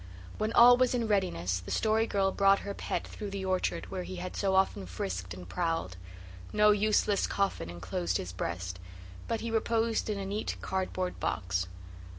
When all was in readiness the Story Girl brought her pet through the orchard where he had so often frisked and prowled. No useless coffin enclosed his breast but he reposed in a neat cardboard box.